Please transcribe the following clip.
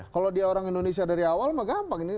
kalau dia orang indonesia dari awal mah gampang ini